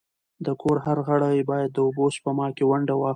د کور هر غړی باید د اوبو سپما کي ونډه واخلي.